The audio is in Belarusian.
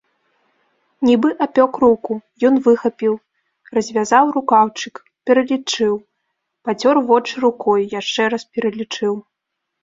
Нібы апёк руку, ён выхапіў, развязаў рукаўчык, пералічыў, пацёр вочы рукой, яшчэ раз пералічыў.